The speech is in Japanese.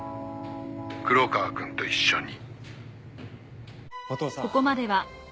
黒川君と一緒に。